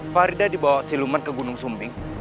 farida dibawa siluman ke gunung sumbing